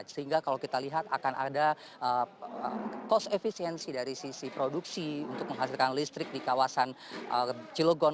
sehingga kalau kita lihat akan ada cost efisiensi dari sisi produksi untuk menghasilkan listrik di kawasan cilegon